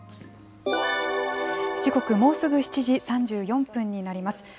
時刻、もうすぐ７時３４分になります。